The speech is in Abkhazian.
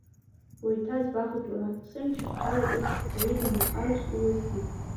Уеиҭазбахит уара, сымш, ҳчараҿы, Саида маҟарас улыцны.